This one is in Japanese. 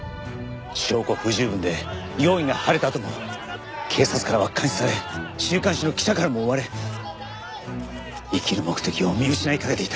証拠不十分で容疑が晴れたあとも警察からは監視され週刊誌の記者からも追われ生きる目的を見失いかけていた。